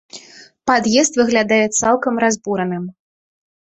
Пад'езд выглядае цалкам разбураным.